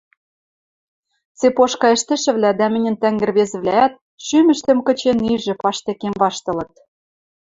Цепошка ӹштӹшӹвлӓ дӓ мӹньӹн тӓнг ӹӹрвезӹвлӓӓт, шӱмӹштӹм кычен ижӹ, паштекем ваштылыт.